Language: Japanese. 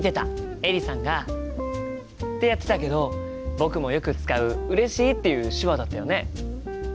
エリさんがってやってたけど僕もよく使う「うれしい」っていう手話だったよね。